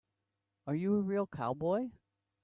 Are you a real cowboy?